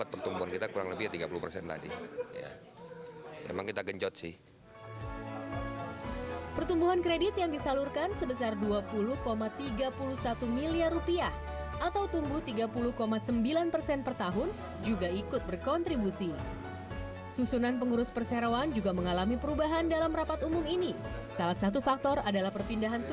pembangunan pembangunan pembangunan